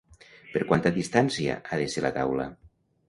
Per quanta distància ha de ser la taula?